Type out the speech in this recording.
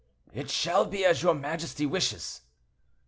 "It shall be as your majesty wishes."